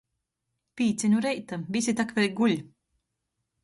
Pīci nu reita, vysi tok vēļ guļ...